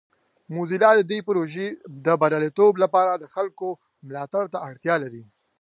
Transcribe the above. موزیلا د دې پروژې د بریالیتوب لپاره د خلکو ملاتړ ته اړتیا لري.